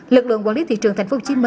lực lượng quản lý thị trường tp hcm